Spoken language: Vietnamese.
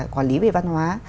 quản lý về văn hóa